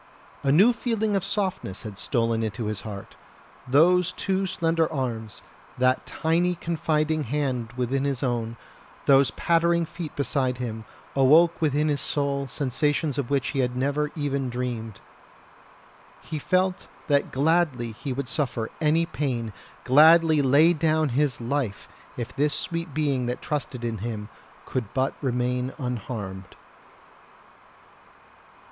A new feeling of softness had stolen into his heart; those two slender arms, that tiny confiding hand within his own, those pattering feet beside him, awoke within his soul sensations of which he had never even dreamed. He felt that gladly would he suffer any pain, gladly lay down his life, if this sweet being that trusted in him could but remain unharmed.